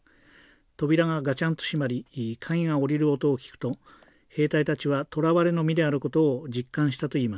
扉がガチャンと閉まり鍵が下りる音を聞くと兵隊たちはとらわれの身であることを実感したといいます。